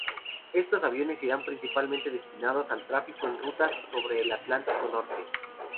Estos aviones irán principalmente destinados al tráfico en rutas sobre el Atlántico Norte.